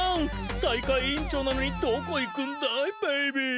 大会委員長なのにどこ行くんだいベイビー。